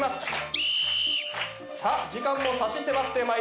さあ時間も差し迫ってまいりました。